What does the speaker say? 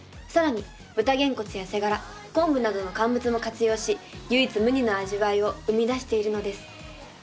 さらに豚げんこつや背がら昆布などの乾物も活用し唯一無二の味わいを生み出しているのです。